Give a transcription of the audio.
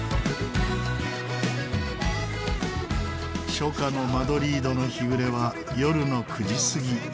初夏のマドリードの日暮れは夜の９時過ぎ。